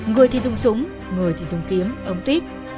người thì dùng súng người thì dùng kiếm ống tuyếp